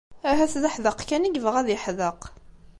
Ahat d aḥdaq kan i yebɣa ad yeḥdeq.